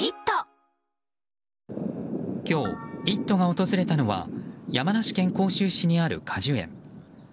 今日「イット！」が訪れたのは山梨県甲州市にある果樹園。